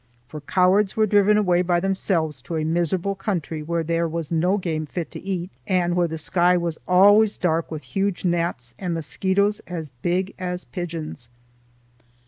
For cowards were driven away by themselves to a miserable country where there was no game fit to eat, and where the sky was always dark with huge gnats and mosquitoes as big as pigeons.